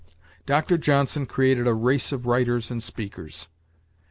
Dr. Johnson created a race of writers and speakers.